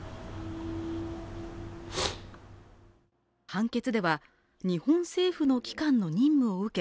判決では、日本政府の機関の任務を受け